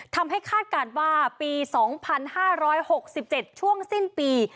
คาดการณ์ว่าปี๒๕๖๗ช่วงสิ้นปี